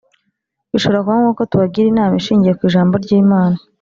bishobora kuba ngombwa ko tubagira inama ishingiye ku Ijambo ry Imana